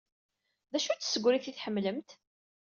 D acu-tt tsegrit ay tḥemmlemt?